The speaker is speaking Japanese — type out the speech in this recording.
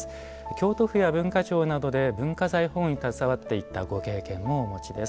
京都府や文化庁などで文化財保護に携わっていたご経験もお持ちです。